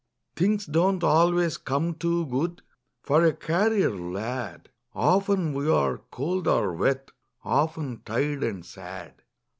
Things don't always come too good For a carrier lad. Often we are cold or wet, Often tired and sad.